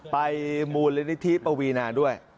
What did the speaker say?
มูลนิธิปวีนาด้วย